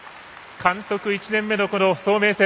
監督１年目の早明戦。